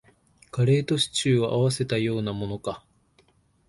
カレーとシチューを合わせたようなものか